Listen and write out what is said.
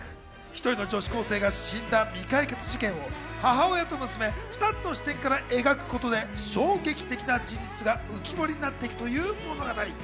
一人の女子高生が死んだ未解決事件を母親と娘、２つの視点から描くことで衝撃的な事実が浮き彫りになっていくという物語。